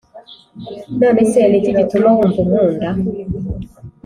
none se ni iki gituma wumva unkunda,